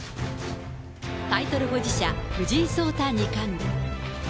タイトル保持者、藤井聡太二冠。